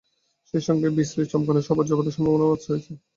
সেই সঙ্গে বিজলি চমকানোসহ বজ্রপাতের সম্ভাবনাও রয়েছে।